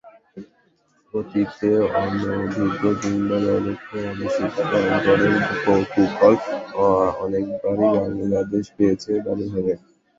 অতীতে অনভিজ্ঞ কিংবা অদক্ষ অভিষিক্ত আম্পায়ারের কুফল অনেকবারই বাংলাদেশ পেয়েছে বাজেভাবে।